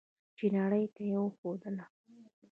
چې نړۍ ته یې وښودله.